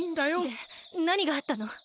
でなにがあったの？